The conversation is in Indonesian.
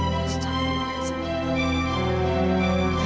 masih cantik banget